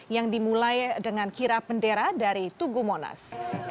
yang dimulai dengan kirap bendera dari tugu monas